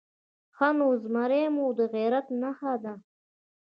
_ښه نو، زمری مو د غيرت نښه ده؟